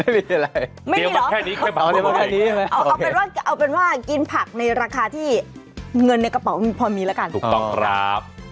ไม่มีไม่มีอะไรไม่มีเหรอเอาเป็นว่ากินผักในราคาที่เงินในกระเป๋าพอมีแล้วกันถูกต้องครับ